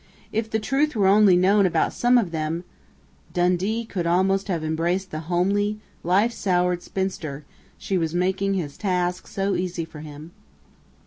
If the truth were only known about some of them " Dundee could almost have embraced the homely, life soured spinster she was making his task so easy for him.